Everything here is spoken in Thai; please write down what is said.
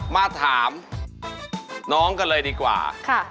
มาถามน้องกันเลยดีกว่า